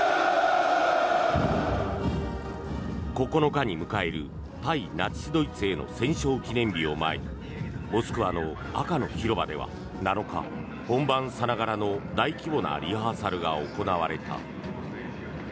９日に迎える対ナチス・ドイツへの戦勝記念日を前にモスクワの赤の広場では７日、本番さながらの大規模なリハーサルが行われた。